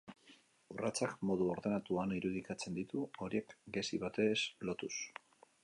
Urratsak modu ordenatuan irudikatzen ditu, horiek gezi batez lotuz.